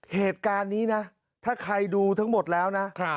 เหตุการณ์นี้นะถ้าใครดูทั้งหมดแล้วนะ